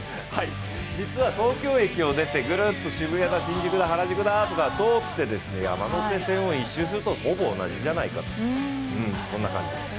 実は東京駅を出て、ぐるっと新宿だ、原宿だって通って、山手線を１周するとほぼ同じじゃないかとこんな感じです。